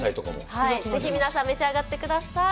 ぜひ皆さん召し上がってください。